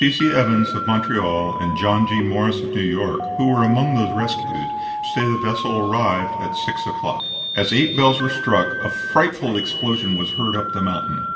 C. C. Evans, of Montreal, and John G. Morris, of New York, who were among those rescued, say the vessel arrived at 6 o'clock. As eight bells were struck a frightful explosion was heard up the mountain.